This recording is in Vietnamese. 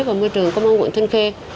và môi trường công an quận thân khe